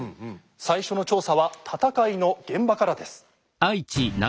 最初の調査は戦いの現場からです。